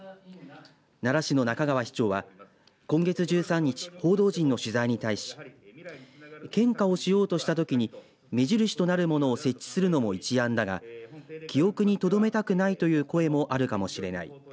奈良市の仲川市長は、今月１３日報道陣の取材に対し献花をしようとしたときに目印となるもの設置するのも一案だが記憶にとどめたくないという声もあるかもしれない。